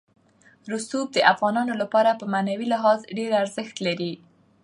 رسوب د افغانانو لپاره په معنوي لحاظ ډېر ارزښت لري.